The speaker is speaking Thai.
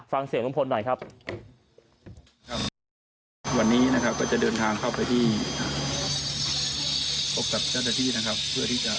ระบวนจ่ายอะไร